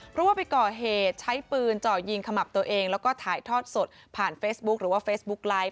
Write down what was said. เพราะว่าไปก่อเหตุใช้ปืนเจาะยิงขมับตัวเองแล้วก็ถ่ายทอดสดผ่านเฟซบุ๊คหรือว่าเฟซบุ๊กไลฟ์